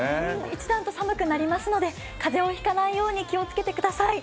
一段と寒くなるので風邪を引かないよう気をつけてください。